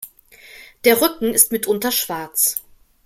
Der Rücken ist mitunter schwarz.